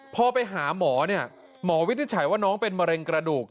พอไปหาหมอเนี่ยหมอวินิจฉัยว่าน้องเป็นมะเร็งกระดูก